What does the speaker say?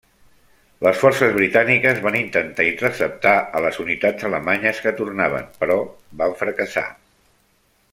Les forces britàniques van intentar interceptar a les unitats alemanyes que tornaven, però van fracassar.